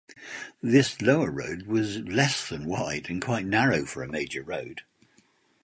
This lower road was less than wide and quite narrow for a major road.